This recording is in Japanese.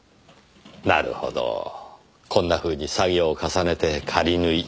なるほどこんなふうに作業を重ねて仮縫い